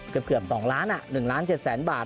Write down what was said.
เกือบ๒ล้าน๑๗ล้านบาท